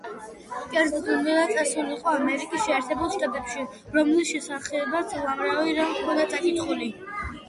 კერძოდ, უნდოდა წასულიყო ამერიკის შეერთებულ შტატებში, რომლის შესახებაც უამრავი რამ ჰქონდა წაკითხული.